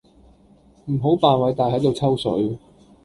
唔好扮偉大喺度抽水